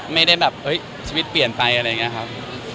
ไม่ได้แบบเอ๊ะชีวิตเปลี่ยนไปยังไงครับ